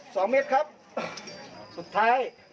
สุดท้ายก็ใช้กรรมใช้เป็นของของมัน